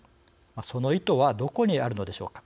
その意図はどこにあるのでしょうか。